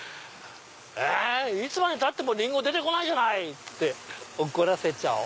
「いつまでたってもリンゴ出て来ないじゃない」って怒らせちゃおう。